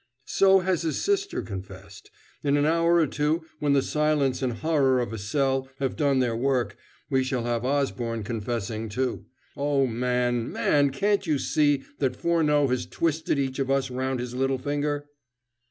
"So has his sister confessed. In an hour or two, when the silence and horror of a cell have done their work, we shall have Osborne confessing, too. Oh, man, man, can't you see that Furneaux has twisted each of us round his little finger?"